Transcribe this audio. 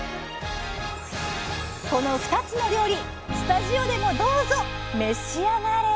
この２つの料理スタジオでもどうぞ召し上がれ！